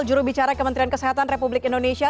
jurubicara kementerian kesehatan republik indonesia